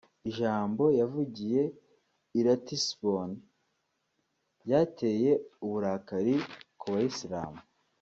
Ijambo yavugiye I Ratisbonne ryateye uburakari ku bayisilamu